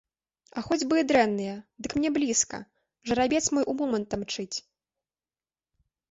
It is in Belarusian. А хоць бы і дрэнная, дык мне блізка, жарабец мой умомант дамчыць.